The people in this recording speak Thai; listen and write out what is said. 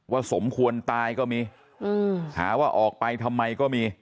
สมควรตายก็มีหาว่าออกไปทำไมก็มี